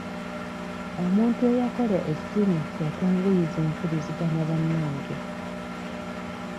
Omuntu eyakola essimu yatwanguyiza empuliziganya bannange.